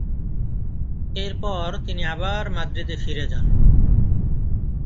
এর পর তিনি আবার মাদ্রিদে ফিরে যান।